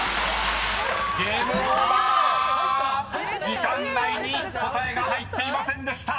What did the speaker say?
［時間内に答えが入っていませんでした］